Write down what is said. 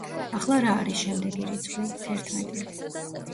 ახლა რა არის შემდეგი რიცხვი? თერთმეტი.